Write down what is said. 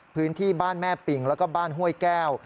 พื้นที่บ้านแม่ปิงแล้วก็บ้านห้วยแก้ว